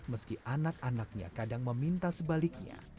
meski anak anaknya kadang meminta sebaliknya